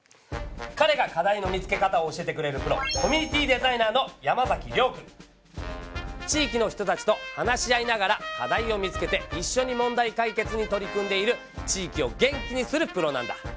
かれが「課題の見つけ方」を教えてくれるプロ地域の人たちと話し合いながら課題を見つけていっしょに問題解決に取り組んでいる地域を元気にするプロなんだ！